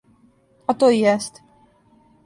А то и јесте.